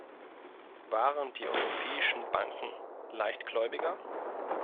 Waren die europäischen Banken leichtgläubiger?